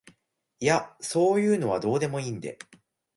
いやそういうのはどうでもいいんで